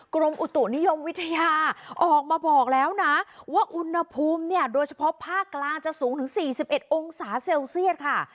กรมอุตุนิยมวิทยาออกมาบอกแล้วนะว่าอุณหภูมิเนี่ยโดยเฉพาะภาคกลางจะสูงถึง๔๑องศาเซลเซียสค่ะ